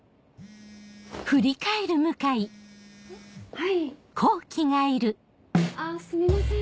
はいあぁすみません